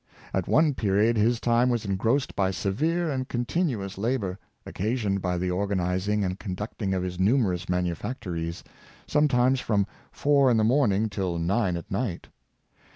At one period his time was engrossed by severe and continuous labor, occasioned by the organizing and conducting of his numerous manufactories, sometimes from four in the morning till nine at night.